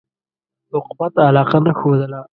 حکومت علاقه نه ښودله.